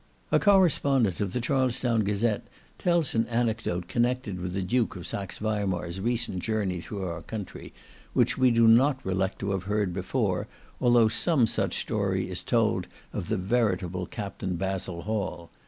"A correspondent of the Charlestown Gazette tells an anecdote connected with the Duke of Saxe Weimar's recent journey through our country, which we do not recollect to have heard before, although some such story is told of the veritable Capt. Basil Hall.